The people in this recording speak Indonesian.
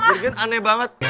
jangan aneh banget